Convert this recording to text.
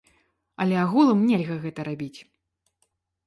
Але агулам нельга гэта рабіць.